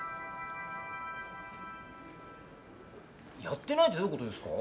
やってないってどういうことですか？